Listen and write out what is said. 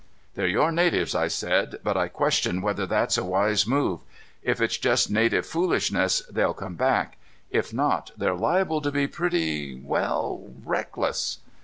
"They're your natives," I said, "but I question whether that's a wise move. If it's just native foolishness, they'll come back. If not, they're liable to be pretty well, reckless."